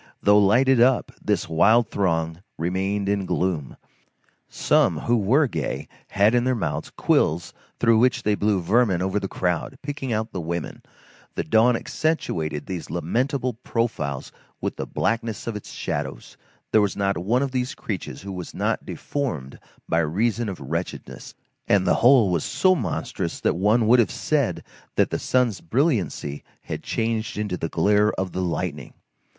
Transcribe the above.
Though lighted up, this wild throng remained in gloom. Some, who were gay, had in their mouths quills through which they blew vermin over the crowd, picking out the women; the dawn accentuated these lamentable profiles with the blackness of its shadows; there was not one of these creatures who was not deformed by reason of wretchedness; and the whole was so monstrous that one would have said that the sun's brilliancy had been changed into the glare of the lightning.